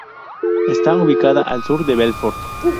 Está ubicada al sur de Belfort.